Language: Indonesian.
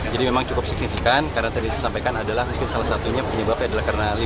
jadi memang cukup signifikan karena tadi saya sampaikan adalah mungkin salah satunya penyebabnya adalah karena libur panjang